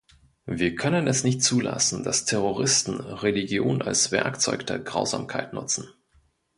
Wir können es nicht zulassen, dass Terroristen Religion als Werkzeug der Grausamkeit nutzen.